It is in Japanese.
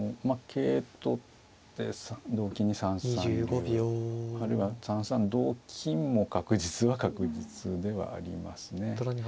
桂取って同金に３三竜あるいは３三同金も確実は確実ではありますね。